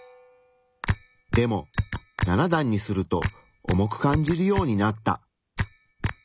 でも７段にすると重く感じるようになった。